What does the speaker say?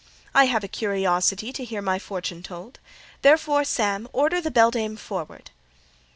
"I have a curiosity to hear my fortune told: therefore, Sam, order the beldame forward."